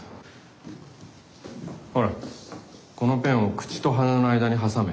ほらこのペンを口と鼻の間に挟め。